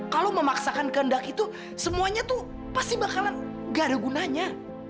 kalau memaksakan kehendak itu semuanya tuh pasti bakalan gak ada gunanya